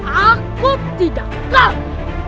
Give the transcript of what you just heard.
aku tidak kaget